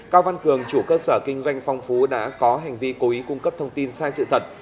cao văn cường chủ cơ sở kinh doanh phong phú đã có hành vi cố ý cung cấp thông tin sai sự thật